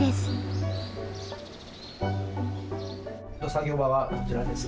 作業場はこちらです。